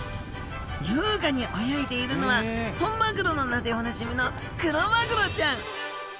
優雅に泳いでいるのは「本マグロ」の名でおなじみのクロマグロちゃん！